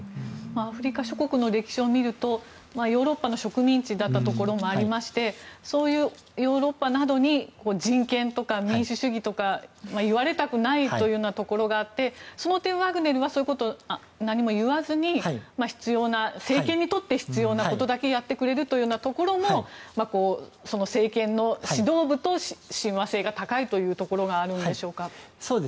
アフリカ諸国の歴史を見るとヨーロッパの植民地だったところもありましてそういうヨーロッパなどに人権とか民主主義とか言われたくないというところがあってその点、ワグネルはそういうことを何も言わずに政権にとって必要なことだけやってくれるというようなところも政権の指導部と親和性が高いというところがあるんでしょうか。